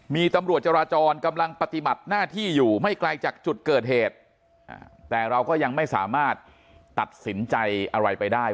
มีตำรวจจราจรกำลังปฏิบัติหน้าที่อยู่ไม่ไกลจากจุดเกิดเหตุแต่เราก็ยังไม่สามารถตัดสินใจอะไรไปได้